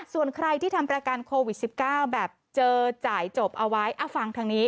ส่วนใครที่ทำประกันโควิด๑๙แบบเจอจ่ายจบเอาไว้ฟังทางนี้